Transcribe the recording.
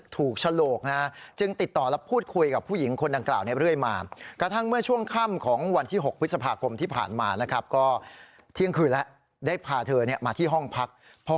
ถูกโฉลกตอนนี้เป็นถูกโฉลกไปแล้วค่ะ